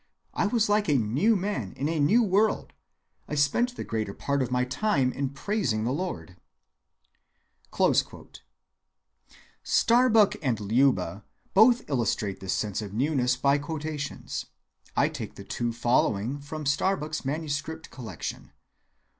I was like a new man in a new world. I spent the greater part of my time in praising the Lord."(136) Starbuck and Leuba both illustrate this sense of newness by quotations. I take the two following from Starbuck's manuscript collection.